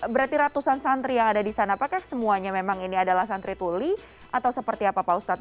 berarti ratusan santri yang ada di sana apakah semuanya memang ini adalah santri tuli atau seperti apa pak ustadz